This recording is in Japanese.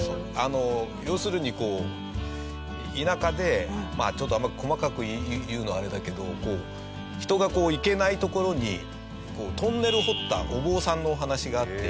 要するにこう田舎でまあちょっとあんまり細かく言うのはあれだけど人が行けない所にトンネルを掘ったお坊さんのお話があって。